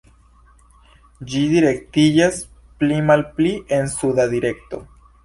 Ĝi direktiĝas pli malpli en suda direkto.